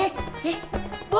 eh boleh ditedor